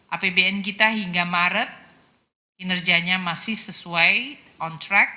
apbn kita hingga maret kinerjanya masih sesuai on track